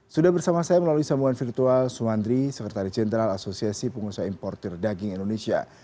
sudah bersama saya melalui sambungan virtual suandri sekretari jenderal asosiasi pengusaha impor daging indonesia